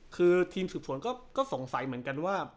คือทีมสืบสวนก็สงสัยเหมือนกันว่า